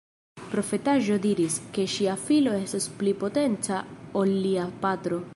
Profetaĵo diris, ke ŝia filo estos pli potenca ol lia patro.